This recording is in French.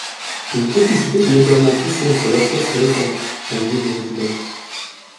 Une complicité s’est naturellement tissée entre l’Orchestre et l’Opéra, son lieu de résidence.